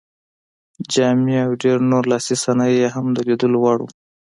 جامې او ډېر نور لاسي صنایع یې هم د لیدلو وړ وو.